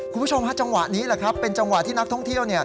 คุณผู้ชมฮะจังหวะนี้แหละครับเป็นจังหวะที่นักท่องเที่ยว